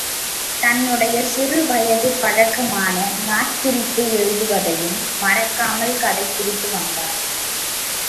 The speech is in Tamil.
தன்னுடைய சிறு வயதுப் பழக்கமான நாட்குறிப்பு எழுதுவதையும் மறக்காமல் கடைப்பிடித்து வநதார்.